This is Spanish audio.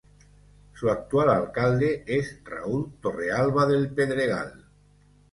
Su actual alcalde es Raúl Torrealba del Pedregal.